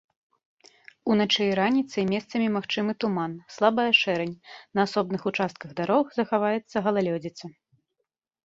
Уначы і раніцай месцамі магчымы туман, слабая шэрань, на асобных участках дарог захаваецца галалёдзіца.